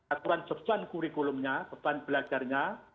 aturan sukses kurikulumnya beban pelajarnya